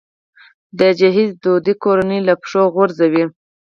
د جهیز دود کورنۍ له پښو غورځوي.